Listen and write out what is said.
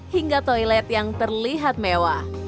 hingga toilet yang terlihat mewah